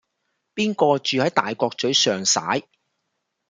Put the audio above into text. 邊個住喺大角嘴尚璽